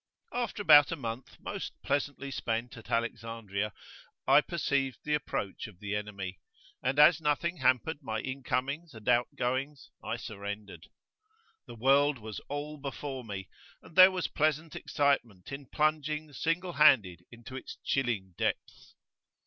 After about a month most pleasantly spent at Alexandria, I perceived the approach of the enemy, and as nothing hampered my incomings and outgoings, I surrendered. The world was "all before me," and there was pleasant excitement in plunging single handed into its chilling depths.